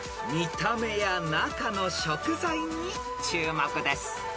［見た目や中の食材に注目です］